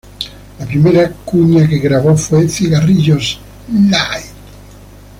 La primera cuña que grabó fue Cigarrillos Light.